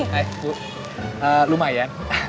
hai bu lumayan